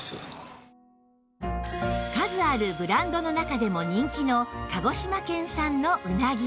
数あるブランドの中でも人気の鹿児島県産のうなぎ